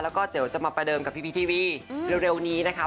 แล้วก็เดี๋ยวจะมาประเดิมกับพี่พีทีวีเร็วนี้นะคะ